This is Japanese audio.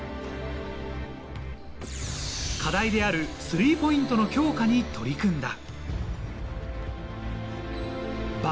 課題であるスリーポイントの強化に取り組んだ。